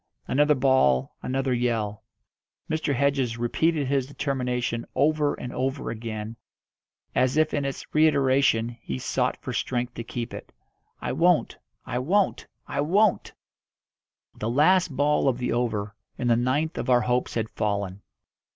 Another ball, another yell. Mr. Hedges repeated his determination over and over again, as if in its reiteration he sought for strength to keep it. "I won't! I won't! I won't!" The last ball of the over, and the ninth of our hopes had fallen.